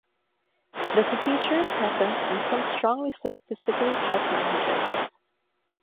It is a feature present in some strongly statically typed languages.